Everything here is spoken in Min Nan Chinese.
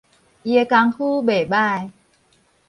伊的工夫袂䆀